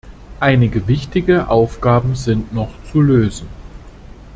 Einige wichtige Aufgaben sind noch zu lösen.